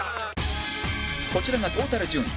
こちらがトータル順位